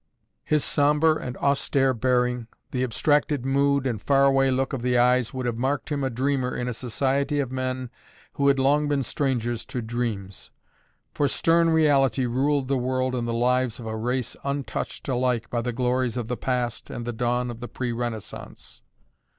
His sombre and austere bearing, the abstracted mood and far away look of the eyes would have marked him a dreamer in a society of men who had long been strangers to dreams. For stern reality ruled the world and the lives of a race untouched alike by the glories of the past and the dawn of the Pre Renaissance.